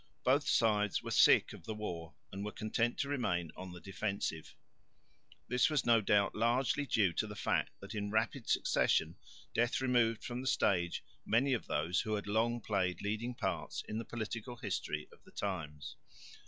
Both sides were sick of the war and were content to remain on the defensive. This was no doubt largely due to the fact that in rapid succession death removed from the stage many of those who had long played leading parts in the political history of the times.